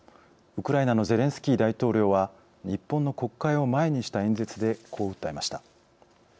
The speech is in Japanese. ウクライナのゼレンスキー大統領は日本の国会を前にした演説でこう訴えました。